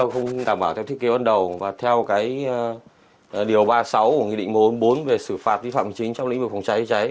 không đảm bảo theo thiết kế ban đầu và theo điều ba mươi sáu của nghị định bốn về sử phạt vi phạm chính trong lĩnh vực phòng cháy chữa cháy